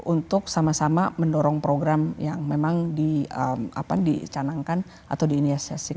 untuk sama sama mendorong program yang memang dicanangkan atau diinisiasikan